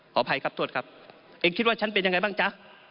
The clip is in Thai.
อภัยครับโทษครับเองคิดว่าฉันเป็นยังไงบ้างจ๊ะ